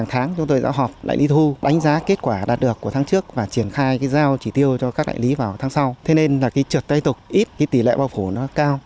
hội giáo họp đại lý thu đánh giá kết quả đạt được của tháng trước và triển khai giao chỉ tiêu cho các đại lý vào tháng sau thế nên trượt tay tục ít tỷ lệ bao phủ cao